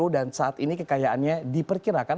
dan saat ini kekayaannya diperkirakan